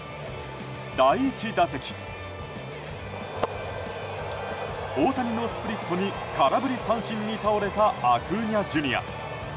第１打席、大谷のスプリットに空振り三振に倒れたアクーニャＪｒ．。